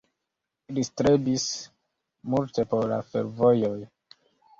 Li strebis multe por la fervojoj.